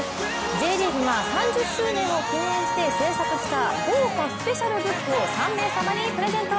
Ｊリーグが３０周年を記念して制作した豪華スペシャルブックを３名様にプレゼント。